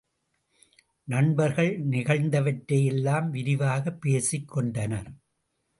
நண்பர்கள் நிகழ்ந்தவற்றை எல்லாம் விரிவாகப் பேசிக் கொண்டனர்.